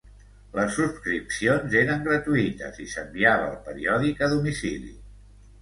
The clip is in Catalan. Les subscripcions eren gratuïtes i s'enviava el periòdic a domicili.